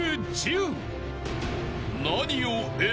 ［何を選ぶ？］